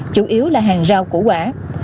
chủ yếu là hàng rau củ quả